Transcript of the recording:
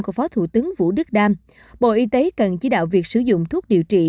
của phó thủ tướng vũ đức đam bộ y tế cần chỉ đạo việc sử dụng thuốc điều trị